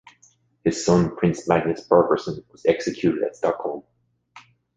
His son, Prince Magnus Birgersson, was executed at Stockholm.